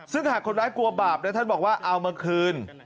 ซึ่งหากคนร้ายกลัวบาปนะท่านบอกว่าเอามาคืน